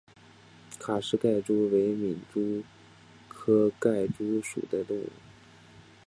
卡氏盖蛛为皿蛛科盖蛛属的动物。